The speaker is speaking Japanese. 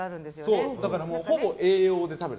そう、だからほぼ栄養で食べる。